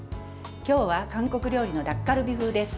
今日は韓国料理のタッカルビ風です。